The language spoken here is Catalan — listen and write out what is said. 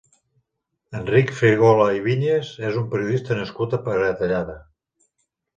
Enric Frigola i Viñas és un periodista nascut a Peratallada.